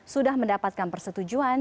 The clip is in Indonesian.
sudah mendapatkan persetujuan